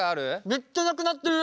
めっちゃなくなってる！